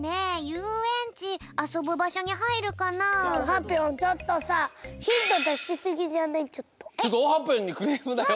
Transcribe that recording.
ゆうえんちオハぴょんにクレームだよ